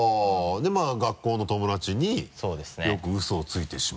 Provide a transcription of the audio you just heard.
でまぁ学校の友達によくウソをついてしまうと。